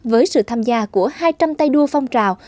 với sự tham gia của hai trăm linh tay đua phong trào